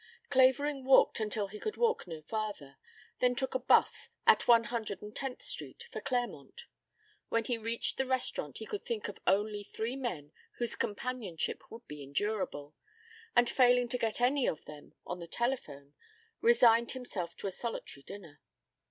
Clavering walked until he could walk no farther, then took a bus at One Hundred and Tenth Street for Claremont. When he reached the restaurant he could think of only three men whose companionship would be endurable, and failing to get any of them on the telephone resigned himself to a solitary dinner.